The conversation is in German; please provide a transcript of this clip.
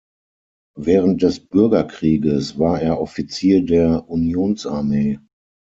Während des Bürgerkrieges war er Offizier der Unionsarmee.